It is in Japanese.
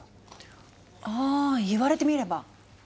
ああ言われてみれば。